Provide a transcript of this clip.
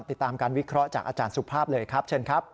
ติดตามการวิเคราะห์จากอาจารย์สุภาพเลยครับเชิญครับ